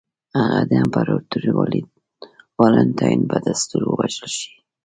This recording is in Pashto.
هغه د امپراتور والنټینیان په دستور ووژل شي.